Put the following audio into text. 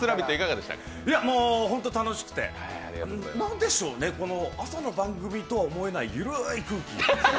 本当に楽しくてなんでしょうね、この朝の番組とは思えないゆるい空気。